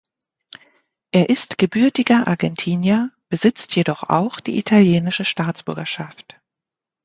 Er ist gebürtiger Argentinier, besitzt jedoch auch die italienische Staatsbürgerschaft.